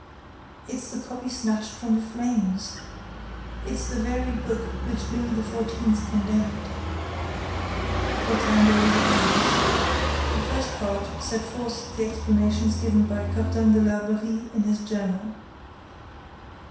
"It's the copy snatched from the flames! It's the very book which Louis XIV. condemned." They turned over the pages. The first part set forth the explanations given by Captain de Larbeyrie in his journal.